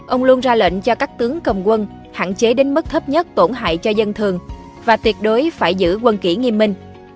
ông luôn ra lệnh cho các tướng cầm quân hạn chế đến mức thấp nhất tổn hại cho dân thường và tuyệt đối phải giữ quân kỹ nghiêm minh